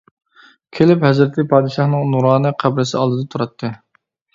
كېلىپ ھەزرىتى پادىشاھنىڭ نۇرانە قەبرىسى ئالدىدا تۇراتتى.